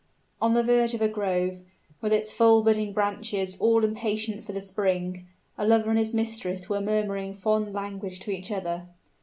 On the verge of a grove, with its full budding branches all impatient for the spring, a lover and his mistress were murmuring fond language to each other.